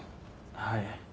はい。